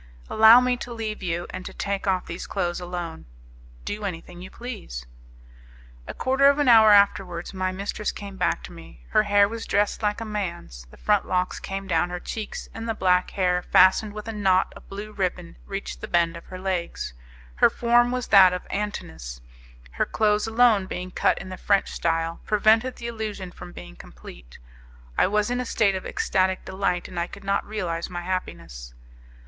"Allow me to leave you, and to take off these clothes alone." "Do anything you please." A quarter of an hour afterwards my mistress came back to me. Her hair was dressed like a man's; the front locks came down her cheeks, and the black hair, fastened with a knot of blue ribbon, reached the bend of her legs; her form was that of Antinous; her clothes alone, being cut in the French style, prevented the illusion from being complete. I was in a state of ecstatic delight, and I could not realize my happiness.